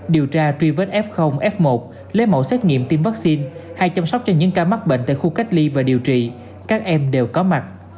điều tra truy vết f f một lấy mẫu xét nghiệm tiêm vaccine hay chăm sóc cho những ca mắc bệnh tại khu cách ly và điều trị các em đều có mặt